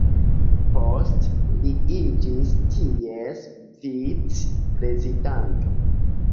Poste li iĝis ties vicprezidanto.